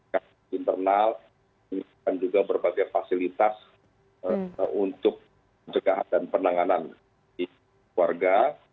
karena internal ini juga berbagai fasilitas untuk pencegahan dan penanganan di keluarga